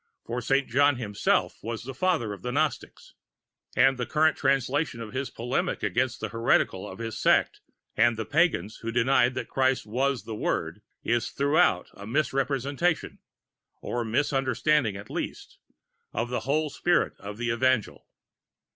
For Saint John himself was the Father of the Gnostics, and the current translation of his polemic against the heretical of his Sect and the pagans who denied that Christ was the Word, is throughout a misrepresentation, or misunderstanding at least, of the whole Spirit of that Evangel.